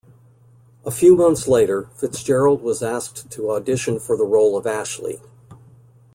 A few months later, Fitzgerald was asked to audition for the role of Ashley.